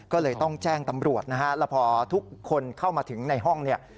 ก็เลยต้องแจ้งตำรวจนะฮะแล้วพอทุกคนเข้ามาถึงในห้องเนี่ย